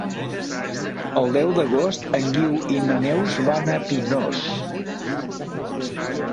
El deu d'agost en Guiu i na Neus van a Pinós.